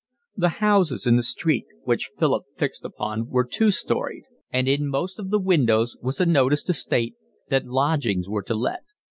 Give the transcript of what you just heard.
The houses in the street which Philip fixed upon were two storied, and in most of the windows was a notice to state that lodgings were to let.